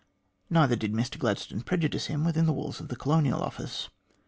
Neither did Mr Gladstone prejudice him within the walls of the Colonial Office.